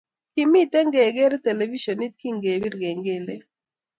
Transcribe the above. Kigimite kegeere televishionit kingebir kengelet